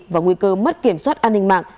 và nguy cơ mất kiểm soát an ninh mạng